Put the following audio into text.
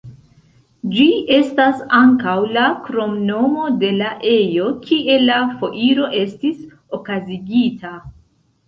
Ĝi estas ankaŭ la kromnomo de la ejo kie la foiro estis okazigita.